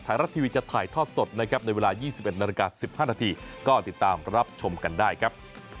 ไทยรัฐทีวีจะถ่ายทอดสดนะครับในเวลา๒๑นาฬิกา๑๕นาทีก็ติดตามรับชมกันได้ครับ